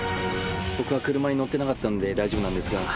僕は車に乗ってなかったんで大丈夫なんですが。